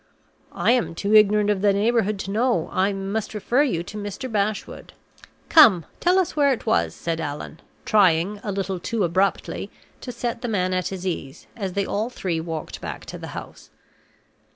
"I am too ignorant of the neighborhood to know. I must refer you to Mr. Bashwood." "Come, tell us where it was," said Allan, trying, a little too abruptly, to set the man at his ease, as they all three walked back to the house.